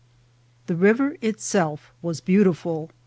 The river itself was beautiful.